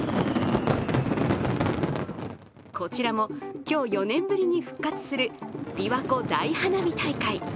こちらも今日４年ぶりに復活するびわ湖大花火大会。